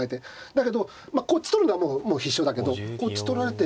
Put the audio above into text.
だけどこっち取るのはもう必勝だけどこっち取られて。